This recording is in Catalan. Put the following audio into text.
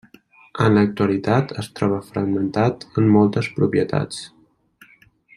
En l'actualitat es troba fragmentat en moltes propietats.